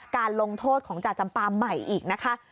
การลงโทษของจ่าจำปามใหม่อีกนะคะ